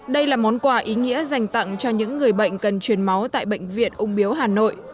đây là món quà ý nghĩa dành tặng cho những người bệnh cần truyền máu tại bệnh viện ung biếu hà nội